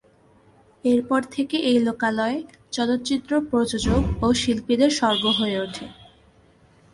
এর পর থেকে এই লোকালয় চলচ্চিত্র প্রযোজক ও শিল্পীদের স্বর্গ হয়ে ওঠে।